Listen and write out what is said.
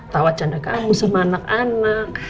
tawat canda kamu sama anak anak